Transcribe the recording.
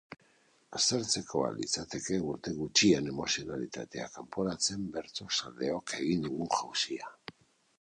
Aztertzekoa litzateke urte gutxian emozionalitatea kanporatzen bertsozaleok egin dugun jauzia.